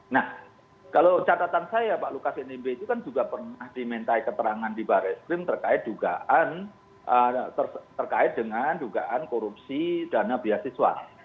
nah kalau catatan saya pak lukasen mbih itu kan juga pernah dimintai keterangan di barreskrim terkait dugaan korupsi dana beasiswa